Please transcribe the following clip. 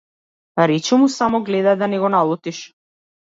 Речи му само гледај да не го налутиш.